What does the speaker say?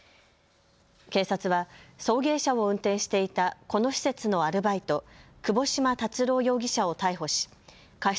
警察は送迎車を運転していたこの施設のアルバイト、窪島達郎容疑者を逮捕し過失